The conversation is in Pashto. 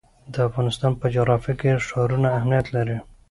د افغانستان په جغرافیه کې ښارونه اهمیت لري.